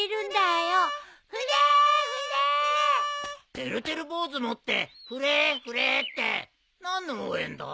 てるてる坊主持って「フレーフレー」って何の応援だ？